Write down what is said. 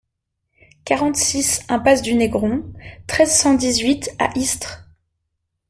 quarante-six impasse du Négron, treize, cent dix-huit à Istres